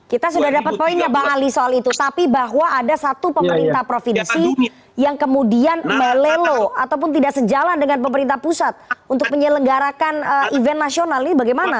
kita sudah dapat poinnya bang ali soal itu tapi bahwa ada satu pemerintah provinsi yang kemudian melelo ataupun tidak sejalan dengan pemerintah pusat untuk menyelenggarakan event nasional ini bagaimana